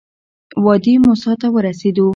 وادي موسی ته ورسېدو.